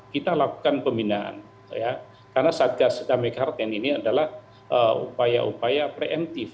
kita lakukan pembinaan karena satgas tamekarten ini adalah upaya upaya pre emptive